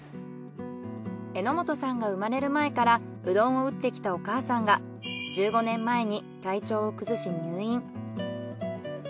榎本さんが生まれる前からうどんを打ってきたお母さんが１５年前に体調を崩し入院。